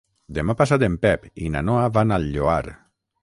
Demà passat en Pep i na Noa van al Lloar.